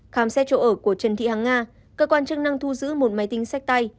khám xét chỗ ở của trần thị hằng nga cơ quan chức năng thu giữ một máy tính sách tay